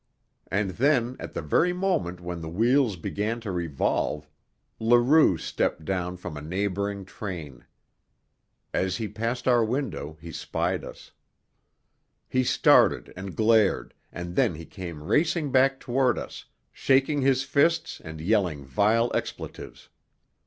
And then, at the very moment when the wheels began to revolve, Leroux stepped down from a neighbouring train. As he passed our window he espied us. He started and glared, and then he came racing back toward us, shaking his fists and yelling vile expletives.